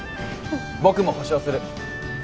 僕も保証する。